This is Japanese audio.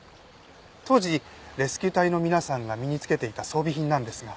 当時レスキュー隊の皆さんが身につけていた装備品なんですが。